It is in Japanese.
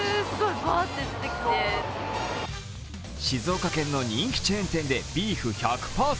静岡県の人気チェーン店でビーフ１００％